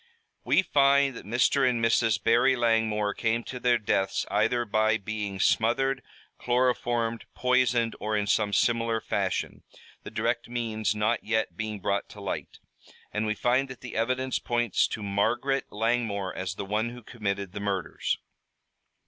"We find that Mr. and Mrs. Barry Langmore came to their deaths either by being smothered, chloroformed, poisoned, or in some similar fashion, the direct means not yet being brought to light, and we find that the evidence points to Margaret Langmore as the one who committed the murders."